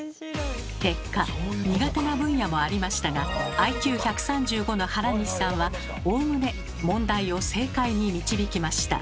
結果苦手な分野もありましたがＩＱ１３５の原西さんはおおむね問題を正解に導きました。